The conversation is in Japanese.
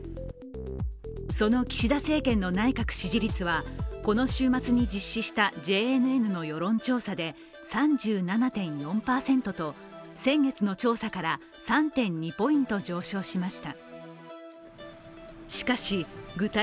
その岸田生検の内閣支持率は、この週末に実施したＪＮＮの世論調査で３７．４％と先月の調査から３．２ポイント上昇しました。